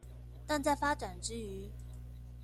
但在發展之餘